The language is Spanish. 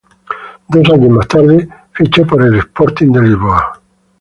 Dos años más tarde ficha por el Sporting de Lisboa.